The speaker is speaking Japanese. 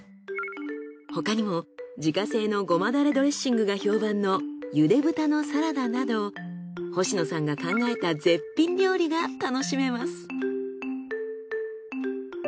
他にも自家製のゴマだれドレッシングが評判の茹で豚のサラダなど星野さんが考えた絶品料理が楽しめます。